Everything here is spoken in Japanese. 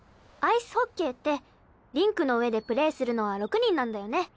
アイスホッケーってリンクの上でプレーするのは６人なんだよね。